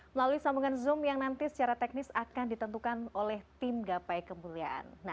melalui sambungan zoom yang nanti secara teknis akan ditentukan oleh tim gapai kemuliaan